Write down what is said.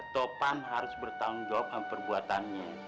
topan harus bertanggung jawab perbuatannya